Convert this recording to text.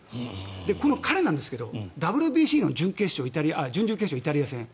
彼なんですけどＷＢＣの準々決勝、イタリア戦。